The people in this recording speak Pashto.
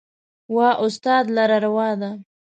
و استاد لره روا ده